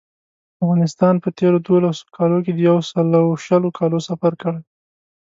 افغانستان په تېرو دولسو کالو کې د یو سل او شلو کالو سفر کړی.